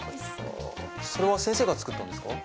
それは先生が作ったんですか？